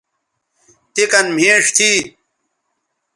تے کن مھیݜ تھی